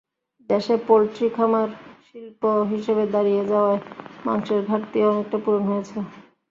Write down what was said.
দেশে পোলট্রি খামার শিল্প হিসেবে দাঁড়িয়ে যাওয়ায় মাংসের ঘাটতিও অনেকটা পূরণ হয়েছে।